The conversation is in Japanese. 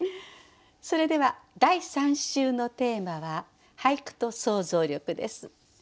それでは第３週のテーマは「俳句と想像力」です。